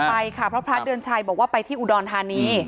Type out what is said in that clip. เดี๋ยวเราย้อนกลับไปค่ะเพราะพระเดือนชัยบอกว่าไปที่อุดรธานี